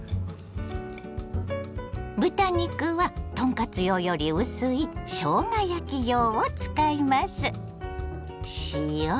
豚肉は豚カツ用より薄いしょうが焼き用を使います。